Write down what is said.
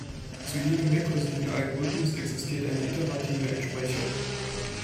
Zu jedem rekursiven Algorithmus existiert eine iterative Entsprechung.